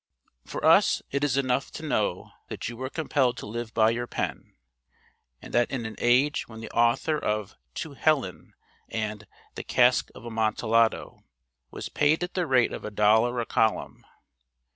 For us it is enough to know that you were compelled to live by your pen, and that in an age when the author of 'To Helen' and' The Cask of Amontillado' was paid at the rate of a dollar a column.